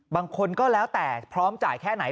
ก็แล้วแต่พร้อมจ่ายแค่ไหน